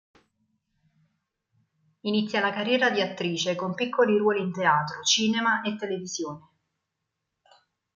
Inizia la carriera di attrice con piccoli ruoli in teatro, cinema e televisione.